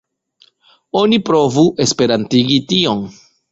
Oni provu esperantigi tion.